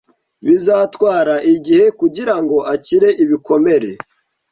Bizatwara igihe kugirango akire ibikomere